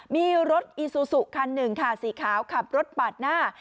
มีรถอีซูซูคันหนึ่งค่ะสีขาวขับรถปาดหน้า